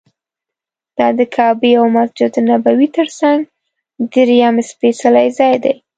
دا د کعبې او مسجد نبوي تر څنګ درېیم سپېڅلی ځای دی.